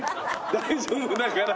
大丈夫だから。